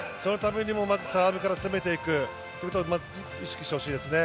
まずサーブから攻めていくことを意識してほしいですね。